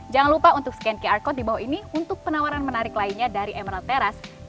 jangan lupa untuk scan qr code di bawah ini untuk penawaran menarik lainnya dari emerald terrace